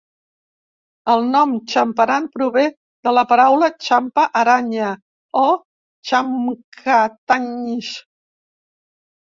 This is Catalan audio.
El nom Champaran prové de la paraula "champa-aranya" o "champkatanys".